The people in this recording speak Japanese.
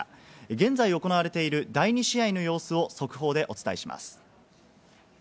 現在、行われている第２試合の様子を速報でお伝えします。